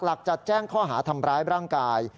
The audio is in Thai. หลักจัดแจ้งข้อหาทำร้ายร่างกาย